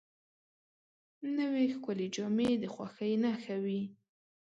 نوې ښکلې جامې د خوښۍ نښه وي